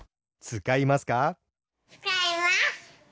つかいます！